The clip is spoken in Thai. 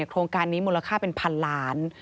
โครงการนี้มูลค่าเป็นพันล้าน